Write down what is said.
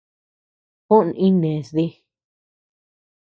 Juó iñnés dí.